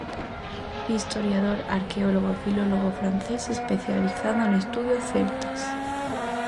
Historiador, arqueólogo e filólogo francés, especializado en estudos celtas.